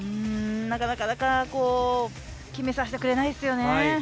なかなか決めさせてくれないですよね。